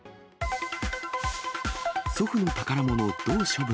祖父の宝物、どう処分？